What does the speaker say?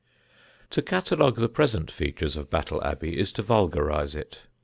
To catalogue the present features of Battle Abbey is to vulgarise it.